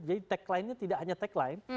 jadi taglinenya tidak hanya tagline